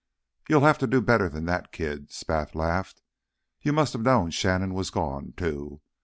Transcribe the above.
"You'll have to do better than that, kid!" Spath laughed. "You must have known Shannon was gone, too.